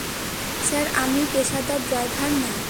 Sir, আমি পেশাদার driver না।